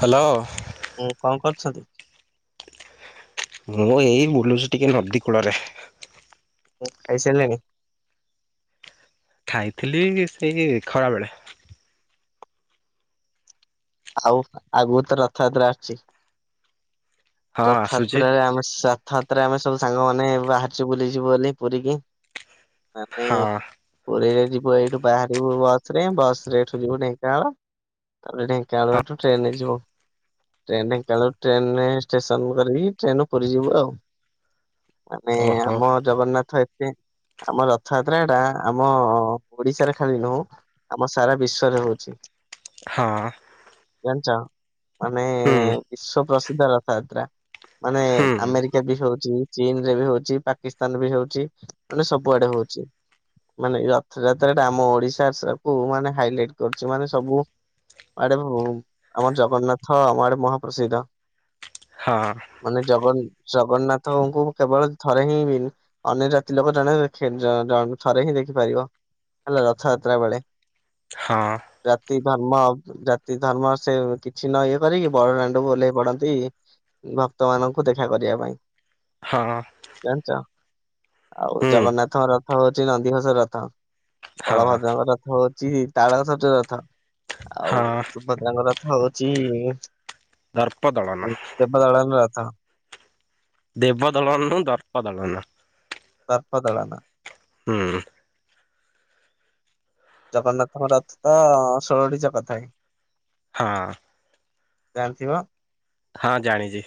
Hello. ଉଁ କଣ କରୁଛନ୍ତି? ମୁଁ ଏଇ ବୁଲୁଛି ଟିକେ ନଦୀ କୂଳରେ। ଖାଇ ସାରିଲେଣି? ଖାଇଥିଲି ସେଇ ଖରା ବେଳେ। ଆଉ ଆଗକୁ ତ ରଥଯାତ୍ରା ଆସୁଛି। ହଁ ଆସୁଛି ରଥଯାତ୍ରରେ ଆମେ। [unintelligible] ତାରେ ଆମେ ସବୁ ସାଙ୍ଗ ମାନେ ବାହାରିଛୁ ବୁଲିଯିବୁ ବୋଲି ପୁରୀକି। ମାନେ ହଁ ପରେ ଏଇଠୁ ବାହାରିବୁ ବସ ରେ ବସ ରେ ଏଠୁ ଯିବୁ ଢେଙ୍କାନାଳ ତାପରେ ଢ କଳ ହଁ ଏଠୁ ଟ୍ରେନ ରେ ଯିବ। ଟ୍ରେନ ଟ କାଳୁ ଟ୍ରେନ ଷ୍ଟେସନ କରିକି ଟ୍ରେନ ପୁରି ଯିବୁ ଆଉ। ମାନେ ଓହୋ ଆମ ଜଗନ୍ନାଥ ଏତେ ଆମ ରଥଯାତ୍ରାଟା ଆମ ଓଡିଶାରେ ଖାଲି ନୁହଁ ଆମ ସାରା ବିଶ୍ଵରେ ହଉଛି। ହଁ। ଜାଣିଛ ଆମେ ହୁଁ ବିଶ୍ଵ ପ୍ରସିଦ୍ଧ ରଥଯାତ୍ରା। ମାନେ ହୁଁ ଆମେରିକା ବିଷ ଚୀନ ରେ ବି ହଉଛି ପାକିସ୍ତାନ ବି ହଉଛି ମାନେ ସବୁଆଡେ ହଉଛି। ମାନେ ରଥଯାତ୍ରା ଟା ଆମ ଓଡିଶା କୁ ମାନେ ହାଇଲାଇଟ କରୁଛି ମାନେ ସବୁ ଆଡେ ଆମର ଜଗନ୍ନାଥ ଆମ ଆଡେ ମହାପ୍ରସିଦ୍ଧ। ହଁ ମାନେ ଜଗନ୍ ଜଗନ୍ନାଥଙ୍କୁ କେବଳ ଥରେ ହିଁ ବି ଅନ୍ୟ ଜାତି ଲୋକ ଜଣେ ଥରେ ହିଁ ଦେଖିପାରିବ ହେଲା ରଥଯାତ୍ରା ବେଳେ। ହଁ। ଜାତି ଧର୍ମ ଜାତି ଧର୍ମ ସେ କିଛି ନ ଇଏ କରିକି ବଡ ଦାଣ୍ଡକୁ ଓହ୍ଲେଇ ପଡନ୍ତି ଭକ୍ତ ମାନଙ୍କୁ ଦେଖା କରିବା ପାଇଁ ହଁ ଜାଣିଛ। ଆଉ ହୁଁ ଜଗନ୍ନାଥଙ୍କ ରଥ ହଉଛି ନନ୍ଦିଘୋଷ ରଥ। ହଁ ବଳଭଦ୍ରଙ୍କ ରଥ ହଉଛି ତାଳଧ୍ୱଜ ରଥ ଆଉ ହଁ ସୁଭଦ୍ରଙ୍କ ରଥ ହଉଛିି ଦର୍ପ ଦଳନ ସେ ଦେବଦଳନ ରଥ। ଦେବ ଦଳନ ଦର୍ପ ଦଳନ। ଦର୍ପଦଳନ। ହୁଁ। ଜଗନ୍ନାଥଙ୍କ ରଥ ତ ଷୋଳଟି ଚକ ଥାଏ। ହଁ। ଜାଣିଥିବ। ହଁ ଜାଣିଛି।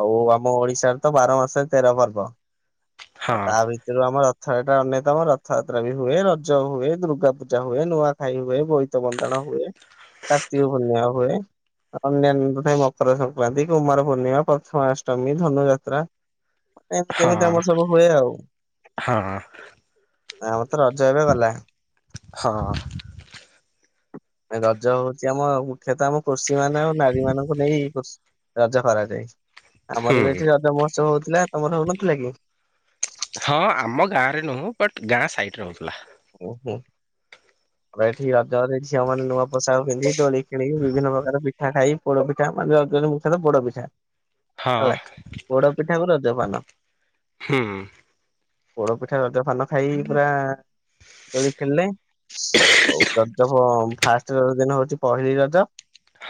ଆଉ ଆମ ଓଡିଶାରେ ତ ବାର ମାସରେ ତେର ପର୍ବ ହଁ ଆଉ ତା ଭିତରୁ ଆମର ର ଥରେ ଏଟା ଅନ୍ୟତମ ରଥଯାତ୍ରା ବି ହୁଏ ରଜ ହୁଏ ଦୁର୍ଗା ପୂଜା ହୁଏ ନୂଆଖାଇ ହୁଏ ବୋଇତ ବନ୍ଦାଣୁଏ ହୁଏ କାର୍ତ୍ତିକ ପୂ୍ଣ୍ଣିମା ହୁଏ। ଅନ୍ୟାନ୍ୟ ମକର ସଂକ୍ରାନ୍ତି କୁମାର ପୂର୍ଣ୍ଣିମା ପ୍ରଥମାଷ୍ଟମୀ ଧନୁଯାତ୍ରା ହଁ ମିମ [inaudible] ହଁ। ଆମର ତ ରଜ ଏବେ ଗଲା। ହଁ। ରଜ ହଉଛି ଆମ ମୁଖ୍ୟତଃ ଆମ କୃଷି ମାନେ ଆଉ ନାରୀ ମାନଙ୍କୁ ନେଇ ରଜ କରାଯାଏ ଆମର ବି ହୁଁ ଏଠି ରଜ ମହୋତ୍ସବ ହଉଥିଲା ତମର ହଉନଥିଲା କି? ହଁ ଆମ ଗାଁ ରେ ନୁହଁ ବଟ ଗାଁ ସାଇଡରେ ରହୁଥିଲା। ଓ ହୋ। ଆ ଏଠି ଝିଅ ମାନେ ନୂଆ ପୋଷାକ ପିନ୍ଧି ଦୋଳି ଖେଳି ବିଭିନ୍ନ ପ୍ରକାର ପିଠା ଖାଇ ପୋଡ଼ ପିଠା ମାନେ ରଜରେ ମୁଖ୍ୟତଃ ପୋଡ଼ପିଠା। ହଁ ହେଲା ପୋଡ ପିଠା କୁ ରଜ ପାନ। ହୁଁ ପୋଡପିଠା ରଜ ପାନ ଖାଇ ପୁରା ଖେଳିଲେ ଆଉ ରଜ ଫାଷ୍ଟ ରଜ ଦିନ ହଉଛି ପହିଲି ରଜ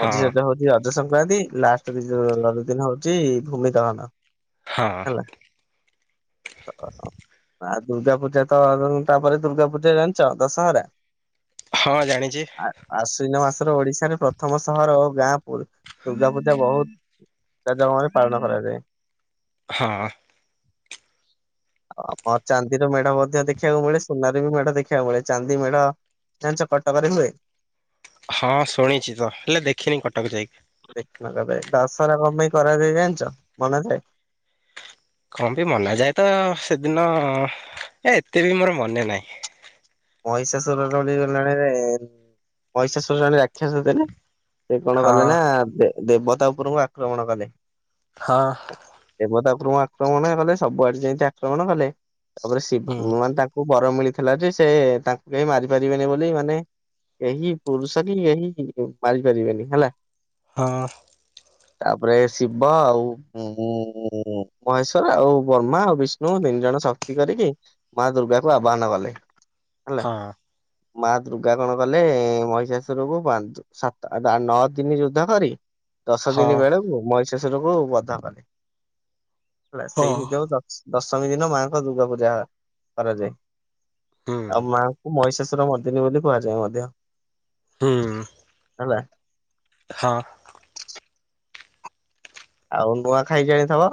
ହଁ ମଝି ରଜ ହଉଛି ରଜ ସଂକ୍ରାନ୍ତି ଲାଷ୍ଟ ଦିନ ହଉଛି ଭୂମି ଦହନ। ହଁ ହେଲା। ଦୁର୍ଗା ପୂଜା ତ ତାପରେ ଦୁର୍ଗା ପୂଜା ଜାଣିଛ ଦଶହରା। ହଁ ଜାଣିଛି ଆଶ୍ଵିନ ମାସର ଓଡିଶାରେ ପ୍ରଥମ ସହର ଗାଁ ପ ଦୁର୍ଗା ପୂଜା ବହୁତଜମରେ ପାଳନ କରାଯାଏ। ହଁ। ଆ ଆମର ଚାନ୍ଦିର ମେଢା ମଧ୍ୟ ଦେଖିବାକୁ ମିଳେ। ସୁନା ରେ ବି ମେଢ ଦେଖିବାକୁ ମିଳେ ଚାନ୍ଦି ମେଢ ଜାଣିଛ କଟକରେ ହୁଏ। ହଁ ଶୁଣିଛି ତ ହେଲେ ଦେଖିନି କଟକ ଯାଇକି। ଦଶହରା କଣ ପାଇଁ କରାଯାଏ ଜାଣିଛ ମନାଯାଏ। କଣ ବି ମନାଯାଏ ତ ସେଦିନ ଏ ଏତେ ବି ମୋର ମନେ ନାହିଁ। ମହିଷାଶୁରର ଗଲାଣି ମହିଷାଶୁର ରାକ୍ଷାସ ଜାଣିନୁ? ସେ କଣ କଲେ ହଁ ନା ଦେବତା ଉପରଙ୍କୁ ଆକ୍ରମଣ କଲେ। ହଁ [inaudible] ଦେବତା ଉପରୁ ଆକ୍ରମଣ କଲେ ସବୁଆଡେ ସେମିତି ଆକ୍ରମଣ କଲେ। ତାପରେ ହୁଁ ଶିବ ମାନେ ତାଙ୍କୁ ବର ମିଳିଥିଲା ଯେ ସେ ତାଙ୍କୁ କେହି ମାରି ପାରିବେନି ବୋଲି ମାନେ କେହି ପୁରୁଷନ କେହି ମାରିପାରିବେନି ହେଲା। ହଁ। ତାପରେ ଶିବ ଆଉ ଉ ଉ ମହେଶ୍ଵର ଆଉ ବର୍ମା ଆଉ ବିଷ୍ଣୁ ଦେଇ ତିନି ଜଣ ଶକ୍ତି କରିକି ମା ଦୁର୍ଗାକୁ ଆବାହନ କଲେ। ହେଲା। ହଁ। ମା ଦୁର୍ଗା କଣ କଲେ। ମହିଷାଶୁର ପାଞ୍ଚ ସାତ ଆ ନଅ ଦିନ ଯୁଦ୍ଧ କରିକି ଦଶ ହଁ ଦିନ ବେଳକୁ ମହିଷାସୁରକୁ ବଧ କଲେ। ହେଲା, ହଁ ସେଇଥି ଯଉ ଦଶମୀ ଦିନ ମାଙ୍କ ଦୁର୍ଗା ପୂଜା କରାଯାଏ। ହୁଁ ଆଉ ମାଙ୍କୁ ମହିଷାସୁର ମର୍ଦ୍ଦିନୀ ବୋଲି କୁହାଯାଏ। ମଧ୍ୟ ହୁଁ। ହେଲା। ହଁ। ଆଉ ନୂଆ ଖାଇ ଜାଣିଥିବ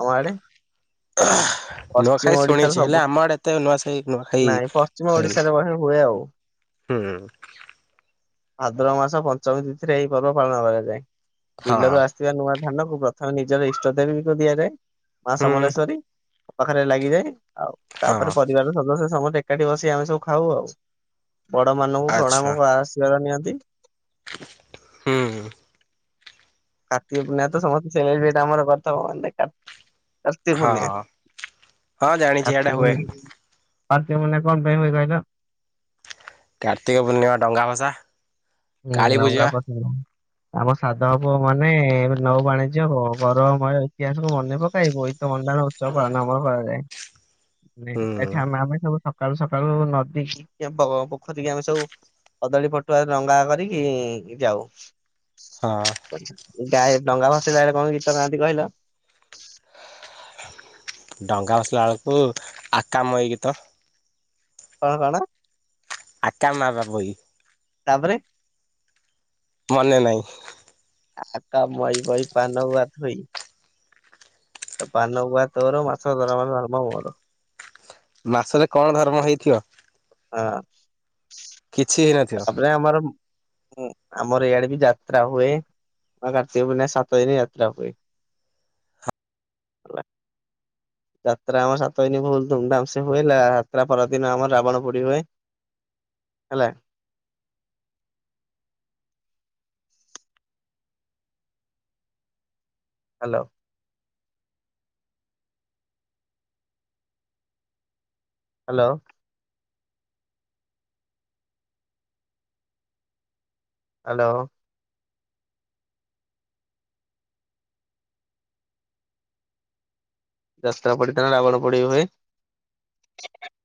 ଆମ ଆଡେ। ନୂଆଖାଇ ପଶ୍ଚିମ ଶୁଣିଛି ଓଡିଶାର ହେଲେ ସବୁ। ଆମ ଆଡେ ଏତେ ନୂଆସାଇ ନୂଆଖାଇ [inaudible] ନାଇଁ ପଶ୍ଚିମ ହୁଏନି ଓଡିଶାରେ ବଢ଼ିଆ ହୁଏ ଆଉ। ଉଁ ହୁଁ। ଭାଦ୍ରବ ମାସ ପଞ୍ଚମୀ ତିଥିରେ ଏଇ ପର୍ବ ପାଳନ କରାଯାଏ। ହଁ ବିଲରୁ ଆସିଥିବା ନୂଆ ଧାନ କୁ ପ୍ରଥମେ ନିଜର ଇଷ୍ଟ ଦେବୀକୁ ଦିଆଯାଏ। ମା ହୁଁ ସମଲେଶ୍ଵରୀ ପାଖରେ ଲାଗିଯାଏ। ଆଉ ହଁ ତାପରେ ପରିବାର ସଦସ୍ୟ ସମସ୍ତେ ଏକାଠି ବସି ଆମେ ସବୁ ଖାଉ ଆଉ। ବଡ ମାନଙ୍କୁ ଆଚ୍ଛା ପ୍ରଣାମ କ ଆଶୀର୍ବାଦ ନିଅନ୍ତି। ହୁଁ। କାର୍ତ୍ତୀକ ପୂର୍ଣ୍ଣିମାରେ ତ ସମସ୍ତେ [unintelligible] କାର୍ତ୍ତୀକ ହଁ ପୂର୍ଣ୍ଣିମା [inaudible] ହଁ ଜାଣିଛି ଏଇଟା କାର୍ତ୍ତୀକ ହୁଏ। ପୁନେଇ। କାର୍ତ୍ତୀକ ପୂର୍ଣ୍ଣିମା କଣ ପାଇଁ ହୁଏ କହିଲ? କାର୍ତ୍ତିକ ପୂର୍ଣ୍ଣିମା ଡଙ୍ଗା ଭସା। ହୁଁ କାଳୀ ଡ଼ଙ୍ଗା ପୂଜା ପାଖକୁ ଆମ ସାଧ ବ ମାନେ ନୌବାଣିଜ୍ୟ ଅ ଗୌରବମୟ ଇତିହାସକୁ ମନେ ପକାଇବ ତ ବନ୍ଦାଣ ଉତ୍ସବ ପାଳନ ଆମର କରାଯାଏ। ହୁଁ [inaudible] ଏଠି ଆମେ ଆମେ ସବୁ ସକାଳୁ ସକାଳୁ ନଦୀ ଅ ପୋଖରୀ ଆମେ ସବୁ କଦଳୀ ପଟୁଆ ଡଙ୍ଗା କରିକି ଯାଉ। ହଁ। [inaudible] ଗାଏ ଡଙ୍ଗା ଭସେଇଲା ବେଳେ କଣ ଗୀତ ଗାଆନ୍ତି କହିଲ। [inaudible] ଡଙ୍ଗା ଭସେଇଲା ବେଳକୁ ଆକା ମଇ ଗୀତ। କଣ କଣ? ଆକା ମା ବାବୋଇ। ତାପରେ। ମନେ ନାହିଁ। ଆକା ମଇ ବଇ ପାନ ଗୁଆ ଥୋଇ। ତ ପାନ ଗୁଆ ତୋର ମାସକ ଧର ମ ମାର ଧର୍ମ ମୋର। ମାସରେ କଣ ଧର୍ମ ହେଇଥିବ। ହଁ କିଛି ହେଇନଥିବ। ଆପରେ ଆମର [inaudible] [inaudible] ଉଁ ଆମର ଏଇଆଡେ ବି ଯାତ୍ରା ହୁଏ। ଆ କାର୍ତ୍ତିକ ପୂର୍ଣ୍ଣିମା ସାତଦିନ ଯାତ୍ରା ହୁଏ [inaudible] ହେଲା। ଯାତ୍ରା ଆମର ସାତ ଦିନି ଫୁଲ ଧୁମଧାମ ସେ ହୁଏ। ଲା ଯାତ୍ରା ପରଦିନ ଆମର ରାବଣ ପୋଡ଼ି ହୁଏ ହେଲା। ହାଲୋ। ହାଲୋ। ହାଲୋ। ଯାତ୍ରା ପଡି ଦିନ ରାବଣ ପୋଡ଼ି ହୁଏ।